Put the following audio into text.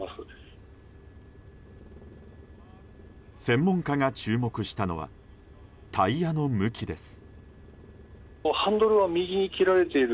専門家が注目したのはタイヤの向きです。